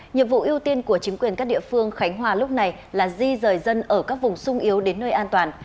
nhiệm vụ ưu tiên của chính quyền các địa phương khánh hòa lúc này là di rời dân ở các vùng sung yếu đến nơi an toàn